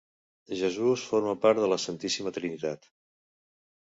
Jesús forma part de la Santíssima Trinitat.